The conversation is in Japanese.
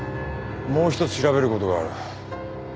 もう一つ調べる事がある。